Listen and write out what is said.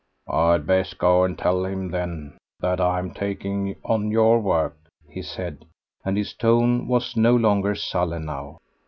"I'd best go and tell him then that I am taking on your work," he said; and his tone was no longer sullen now.